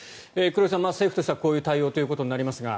黒井さん、政府としてはこういう対応となりますが。